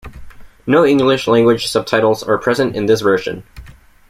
No English language subtitles are present in this version.